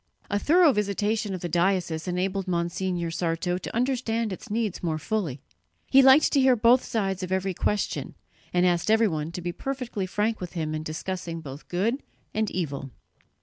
A thorough visitation of the diocese enabled Monsignor Sarto to understand its needs more fully. He liked to hear both sides of every question, and asked everyone to be perfectly frank with him in discussing both good and evil.